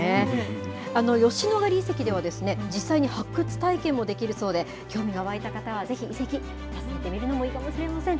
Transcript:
吉野ヶ里遺跡では、実際に発掘体験もできるそうで、興味が湧いた方はぜひ遺跡、訪ねてみるのもいいかもしれません。